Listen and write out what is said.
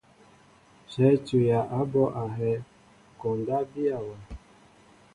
Shéé tuya a ɓɔ ahɛɛ, koondaan biya wɛʼ.